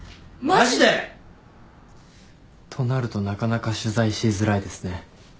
マジで！？となるとなかなか取材しづらいですね。